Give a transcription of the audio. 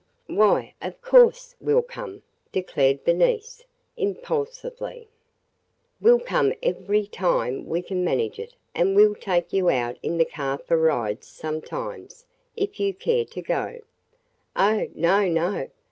"Why, of course we 'll come!" declared Bernice impulsively. "We 'll come every time we can manage it and we 'll take you out in the car for rides sometimes, if you care to go." "Oh, no, no!"